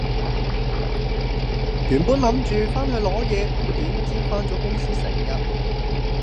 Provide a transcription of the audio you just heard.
原本諗住返去攞嘢，點知返咗公司成日